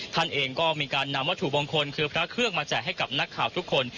ท่านเองก็มีการนำวัตถุมงคลคือพระเครื่องมาแจกให้กับนักข่าวทุกคน